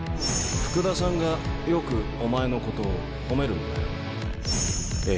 福田さんがよくお前のこと褒めるんだよＡで。